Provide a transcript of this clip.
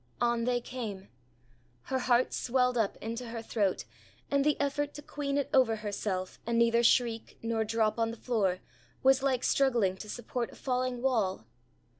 On they came. Her heart swelled up into her throat, and the effort to queen it over herself, and neither shriek nor drop on the floor, was like struggling to support a falling wall.